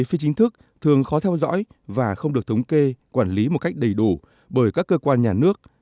phi chính thức thường khó theo dõi và không được thống kê quản lý một cách đầy đủ bởi các cơ quan nhà nước